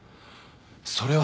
それは。